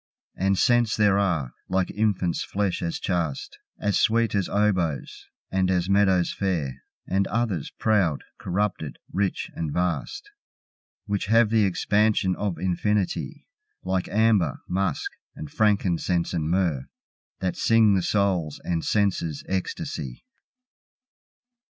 And scents there are, like infant's flesh as chaste, As sweet as oboes, and as meadows fair, And others, proud, corrupted, rich and vast, Which have the expansion of infinity, Like amber, musk and frankincense and myrrh, That sing the soul's and senses' ecstasy.